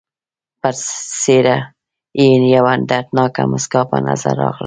پر څېره یې یوه دردناکه مسکا په نظر راغله.